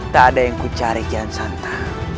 tak ada yang ku cari kian santa